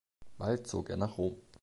Bald zog er nach Rom.